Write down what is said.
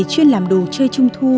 chuyên làm đồ chơi trung thu